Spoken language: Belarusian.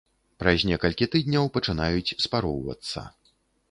Праз некалькі тыдняў пачынаюць спароўвацца.